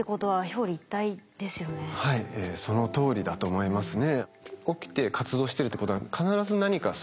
そのとおりだと思いますね。